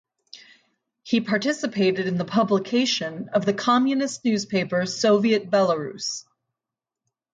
He participated in the publication of the communist newspaper "Soviet Belarus".